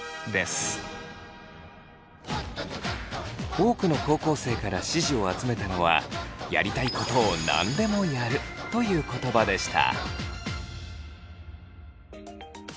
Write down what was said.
多くの高校生から支持を集めたのは「やりたいことを何でもやる」という言葉でした。